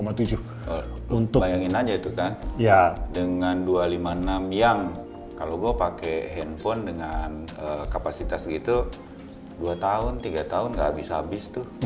bayangin aja itu kan dengan dua ratus lima puluh enam yang kalau gue pakai handphone dengan kapasitas gitu dua tahun tiga tahun gak habis habis tuh